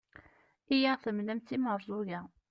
i aɣ-temlam d timerẓuga